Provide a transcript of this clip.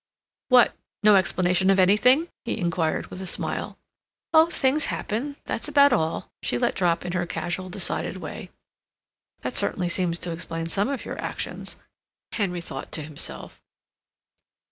"What? No explanation of anything?" he inquired, with a smile. "Oh, things happen. That's about all," she let drop in her casual, decided way. "That certainly seems to explain some of your actions," Henry thought to himself.